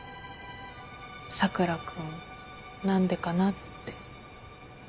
佐倉君何でかなって。